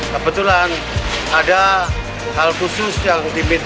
kebetulan ada hal khusus yang diminta